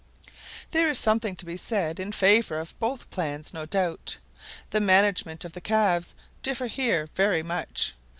There is something to be said in favour of both plans, no doubt. The management of the calves differs here very much.